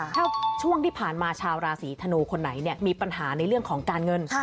ถ้าช่วงที่ผ่านมาชาวราศีธนูคนไหนมีปัญหาในเรื่องของการเงิน